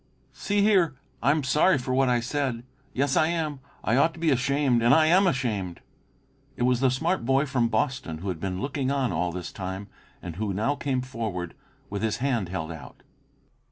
"See here! I'm sorry for what I said. Yes, I am. I ought to be ashamed, and I am ashamed." It was the smart boy from Boston who had been looking on all this time, and who now came forward with his hand held out.